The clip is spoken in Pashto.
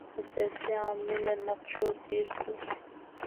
د سیاسي عامل له نقشه تېر شو.